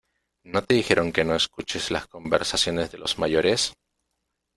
¿ no te dijeron que no escuches las conversaciones de los mayores?